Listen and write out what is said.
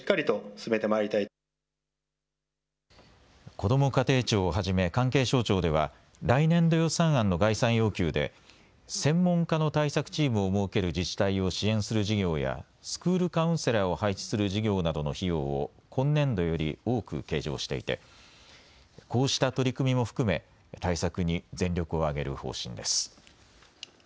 こども家庭庁をはじめ関係省庁では来年度予算案の概算要求で専門家の対策チームを設ける自治体を支援する事業やスクールカウンセラーを配置する事業などの費用を今年度より多く計上していてこうした取り組みも含め対策に全力を挙げる方針です。